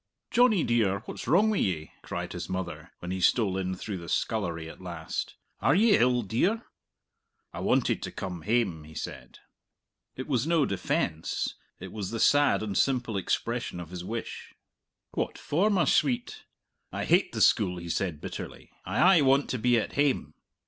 "Johnny dear, what's wrong wi' ye?" cried his mother, when he stole in through the scullery at last. "Are ye ill, dear?" "I wanted to come hame," he said. It was no defence; it was the sad and simple expression of his wish. "What for, my sweet?" "I hate the school," he said bitterly; "I aye want to be at hame."